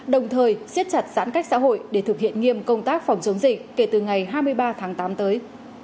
đồng thời xiết chặt giãn cách xã hội để thực hiện nghiêm công tác phòng chống dịch kể từ ngày hai mươi ba tháng tám tới